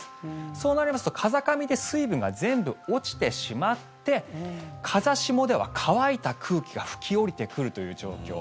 そうなりますと風上で水分が全部落ちてしまって風下では乾いた空気が吹き下りてくるという状況。